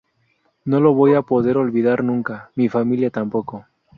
No lo voy a poder olvidar nunca, mi familia tampoco.